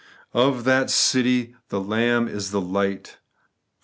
Of that city the Lamb is the light (xxi.